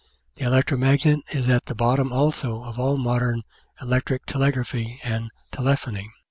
The electro magnet is at the bottom also of all modern electric telegraphy and telephony.